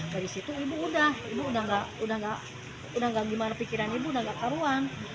dari situ ibu udah ibu udah gak gimana pikiran ibu udah gak karuan